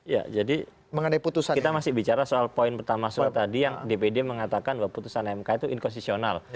ya jadi kita masih bicara soal poin pertama soal tadi yang dpd mengatakan bahwa putusan mk itu inkonsisional